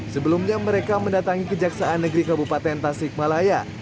sebelumnya mereka mendatangi kejaksaan negeri kabupaten tasikmalaya